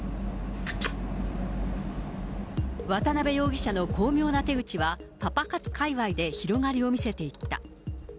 渡辺容疑者の巧妙な手口は、パパ活界わいで広がりを見せていった。